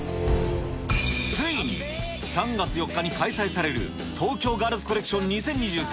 ついに３月４日に開催される、東京ガールズコレクション２０２３